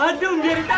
aduh biar indah